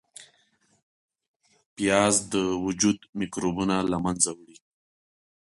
پیاز د وجود میکروبونه له منځه وړي